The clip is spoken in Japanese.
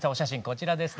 こちらです。